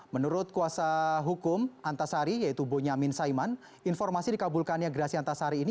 menurut kuasa hukum antasari yaitu boyamin saiman informasi dikabulkan yang gerasi antasari ini